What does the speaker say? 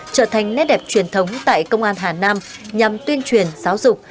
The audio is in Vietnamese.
trở thành nét đẹp truyền thống tại công an hà nam nhằm tuyên truyền giáo dục